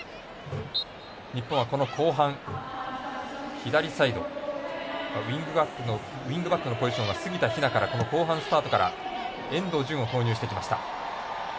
日本は、この後半左サイド、ウイングバックのポジション杉田妃和から後半スタートから遠藤純を投入してきました。